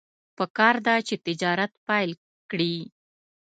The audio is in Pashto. پکار ده چې تجارت پیل کړي.